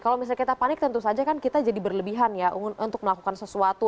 kalau misalnya kita panik tentu saja kan kita jadi berlebihan ya untuk melakukan sesuatu